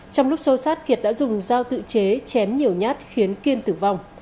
trong lúc xô sát kiệt đã dùng dao tự chế chém nhiều nhát khiến kiên tử vong